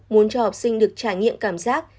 muốn cho học sinh được trải nghiệm cảm giác